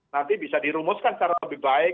nanti bisa dirumuskan secara lebih baik